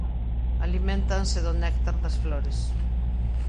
Aliméntanse do néctar das flores.